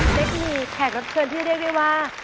เค้กมีแขกรับเชิญที่เรียกได้ว่า